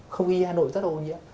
không ghi hà nội rất là ô nhiễm